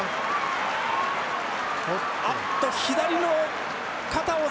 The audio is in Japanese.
あっと左の肩を。